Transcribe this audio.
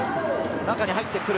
中に入ってくる。